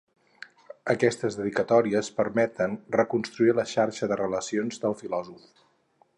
Aquestes dedicatòries permeten reconstruir la xarxa de relacions del filòsof.